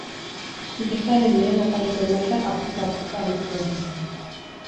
Inkestaren lehen ataleko emaitzak apurka apurka aletuko dituzte.